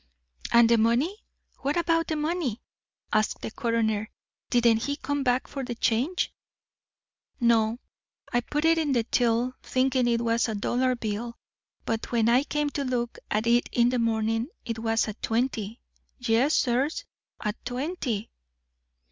"And the money? What about the money?" asked the coroner. "Didn't he come back for the change?" "No. I put it in the till, thinking it was a dollar bill. But when I came to look at it in the morning, it was a twenty; yes, sirs, a twenty!"